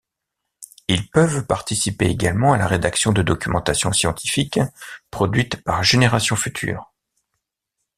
Ils peuvent participer également à la rédaction de documentations scientifiques produites par Générations Futures.